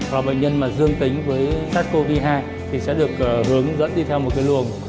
và bệnh nhân mà dương tính với sars cov hai thì sẽ được hướng dẫn đi theo một cái luồng